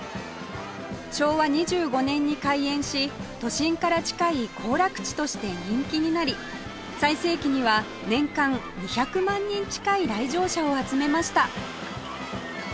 昭和２５年に開園し都心から近い行楽地として人気になり最盛期には年間２００万人近い来場者を集めました